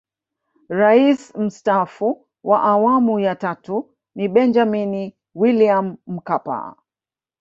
Rais Mstaafu wa Awamu ya Tatu ni Benjamini William Mkapa